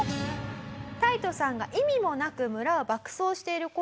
タイトさんが意味もなく村を爆走をしている頃。